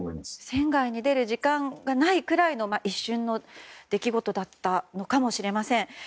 船外に出る時間がないくらいの一瞬の出来事だったかもしれません。